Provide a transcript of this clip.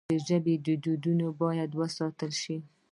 د ژبې دودونه باید وساتل سي.